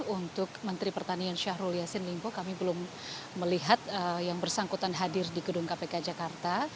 untuk menteri pertanian syahrul yassin limpo kami belum melihat yang bersangkutan hadir di gedung kpk jakarta